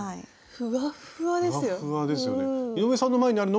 ふわっふわですよね。